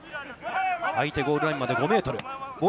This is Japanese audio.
相手ゴールラインまで５メートル。